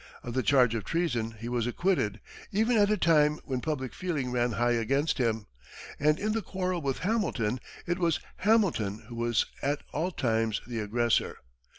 Of the charge of treason he was acquitted, even at a time when public feeling ran high against him, and in the quarrel with Hamilton, it was Hamilton who was at all times the aggressor.